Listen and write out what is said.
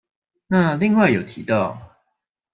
那另外有提到